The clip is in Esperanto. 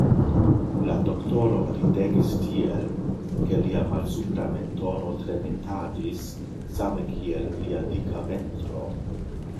La doktoro ridegis tiel, ke lia malsupra mentono tremetadis same kiel lia dika ventro.